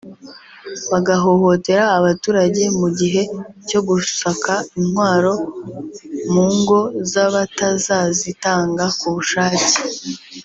bagahohotera abaturage mu gihe cyo gusaka intwaro mu ngo z’abatazazitanga ku bushake